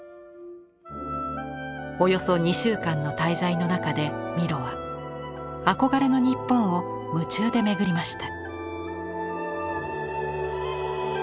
およそ２週間の滞在の中でミロは憧れの日本を夢中で巡りました。